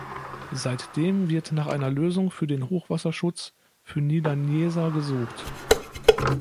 Seitdem wird nach einer Lösung für den Hochwasserschutz für Niedernjesa gesucht.